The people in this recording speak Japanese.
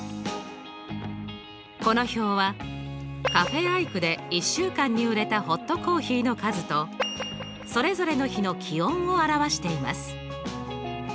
この表はカフェ・アイクで１週間に売れたホットコーヒーの数とそれぞれの日の気温を表しています。